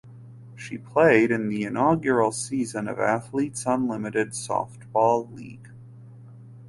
She played in the inaugural season of Athletes Unlimited Softball league.